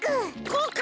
こうか？